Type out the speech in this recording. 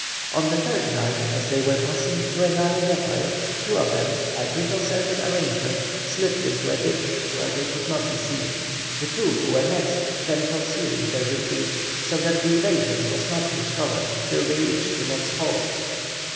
On the third night, as they were passing through a narrow defile, two of them, by preconcerted arrangement, slipped into a ditch where they could not be seen, the two who were next them concealing their retreat so that the evasion was not discovered till they reached the next halt.